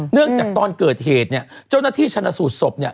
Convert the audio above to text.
เนื่องจากตอนเกิดเหตุเจ้าหน้าที่ชนะสูตรศพ